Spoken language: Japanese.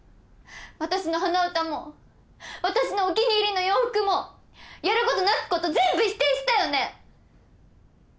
私の鼻歌も私のお気に入りの洋服もやることなすこと全部否定したよね！